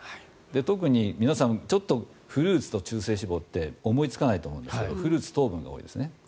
特に皆さん、ちょっとフルーツと中性脂肪って思いつかないと思うんですけどフルーツは糖分が多いですね。